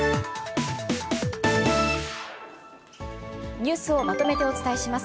ニュースをまとめてお伝えします。